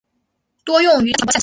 多用于单镜反光相机。